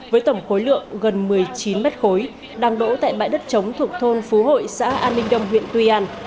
với tổng khối lượng gần một mươi chín mét khối đang đỗ tại bãi đất chống thuộc thôn phú hội xã an ninh đông huyện tuy an